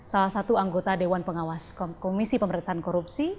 salah satu anggota dewan pengawas komisi pemerintahan korupsi